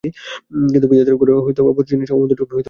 কিন্তু বিধাতার বরে অপাত্র জিনিসটা অমর– দুটো গেলে আবার দশটা আসবে।